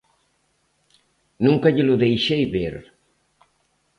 Nunca llelo deixei ver.